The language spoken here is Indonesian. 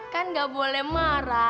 kan gak boleh marah